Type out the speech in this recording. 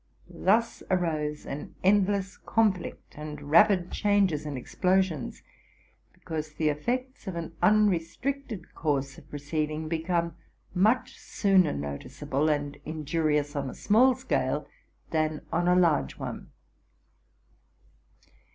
Thus arose an endless conflict, and rapid changes and ex plosions ; because the effects of an uarestricted course of proceeding become much sooner noticeable and injurious on a small scale than on a large one.